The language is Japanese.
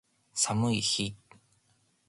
寒い日